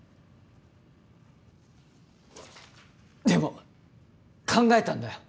でも考えたんだよ